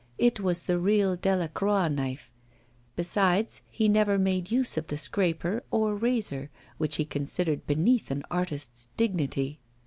It was the real Delacroix knife. Besides, he never made use of the scraper or razor, which he considered beneath an artist's dignity.